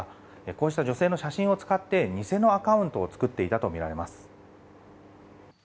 こうした女性の写真を使って偽のアカウントを作っていたとみられています。